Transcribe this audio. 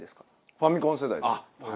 ファミコン世代です。